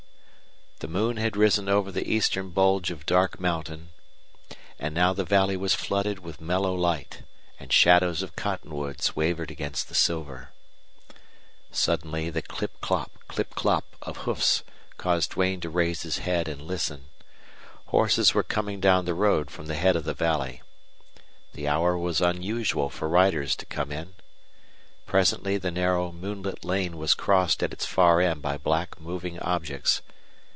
The moon had risen over the eastern bulge of dark mountain, and now the valley was flooded with mellow light, and shadows of cottonwoods wavered against the silver. Suddenly the clip clop, clip clop of hoofs caused Duane to raise his head and listen. Horses were coming down the road from the head of the valley. The hour was unusual for riders to come in. Presently the narrow, moonlit lane was crossed at its far end by black moving objects.